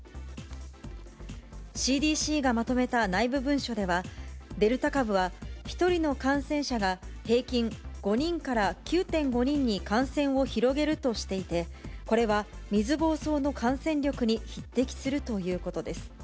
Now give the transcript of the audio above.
ＣＤＣがまとめた内部文書では、デルタ株は１人の感染者が平均５人から９．５人に感染を広げるとしていて、これは、水ぼうそうの感染力に匹敵するということです。